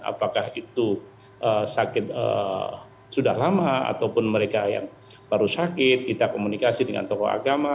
apakah itu sakit sudah lama ataupun mereka yang baru sakit kita komunikasi dengan tokoh agama